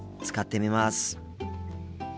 使ってみます。